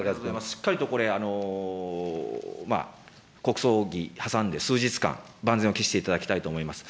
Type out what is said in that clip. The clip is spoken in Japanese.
しっかりとこれ、国葬儀挟んで数日間、万全を期していただきたいと思います。